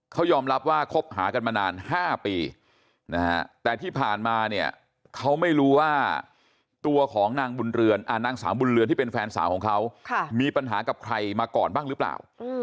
เขายอมรับว่าคบหากันมานาน๕ปีแต่ที่ผ่านมาเนี่ยเขาไม่รู้ว่าตัวของนางสาวบุญเรือนที่เป็นแฟนสาวของเขามีปัญหากับใครมาก่อนบ้างหรือเปล่า